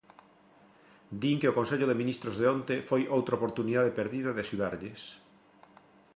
Din que o Consello de Ministros de onte foi outra oportunidade perdida de axudarlles.